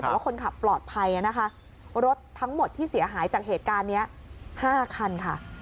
แต่ว่าคนขับปลอดภัยนะคะรถทั้งหมดที่เสียหายจากเหตุการณ์นี้๕คันค่ะ